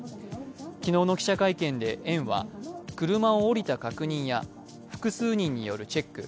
昨日の記者会見で園は車を降りた確認や複数人によるチェック、